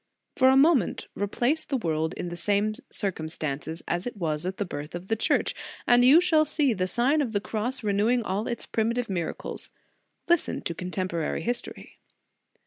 "f For a moment replace the world in the same circumstances as it was at the birth of the Church, and you shall see the Sign of the Cross renewing all its primitive miracles. Listen to contemporary history.